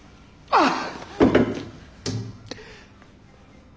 ああ。